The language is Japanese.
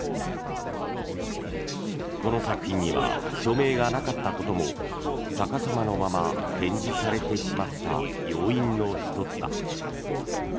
この作品には署名がなかったことも逆さまのまま展示されてしまった要因の１つだ。